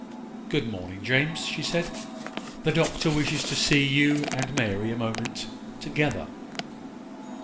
'Good morning, James,' she said. 'The Doctor wishes to see you and Mary a moment together.